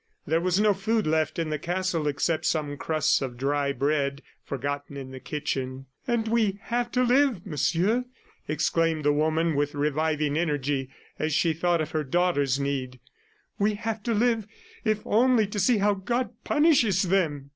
There was no food left in the castle except some crusts of dry bread forgotten in the kitchen. "And we have to live, Monsieur!" exclaimed the woman with reviving energy as she thought of her daughter's need. "We have to live, if only to see how God punishes them!"